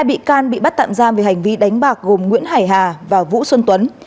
hai bị can bị bắt tạm giam về hành vi đánh bạc gồm nguyễn hải hà và vũ xuân tuấn